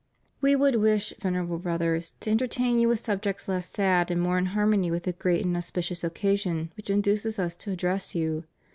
556 REVIEW OF HIS PONTIFICATE. We would wish, Venerable Brothers, to entertain you with subjects less sad and more in harmony with the great and auspicious occasion which induces Us to address you.